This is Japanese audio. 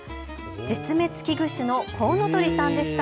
絶滅危惧種のコウノトリさんでした。